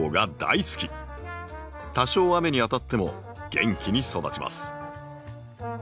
多少雨に当たっても元気に育ちます。